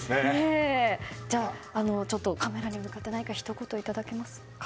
じゃあ、カメラに向かって何かひと言いただけますか？